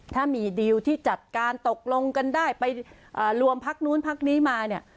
ถ้ามีดีลที่จัดการตกลงกันได้ไปรวมพักนู้นพักนี้มาเนี่ย